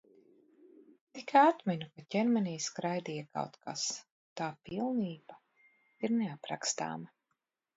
Tikai atminu, ka ķermenī skraidīja kaut kas. Tā pilnība ir neaprakstāma.